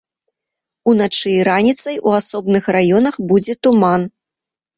Уначы і раніцай у асобных раёнах будзе туман.